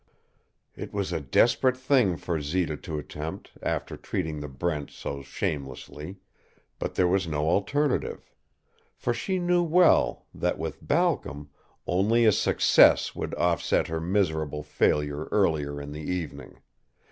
It was a desperate thing for Zita to attempt, after treating the Brents so shamelessly. But there was no alternative. For she knew well that, with Balcom, only a success would offset her miserable failure earlier in the evening.